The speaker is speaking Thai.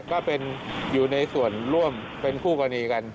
ก็เป็นอยู่ในส่วนร่วมเป็นคู่กรณีกัน